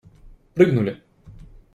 Прыгнули!